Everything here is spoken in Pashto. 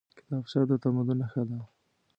کتابچه د تمدن نښه ده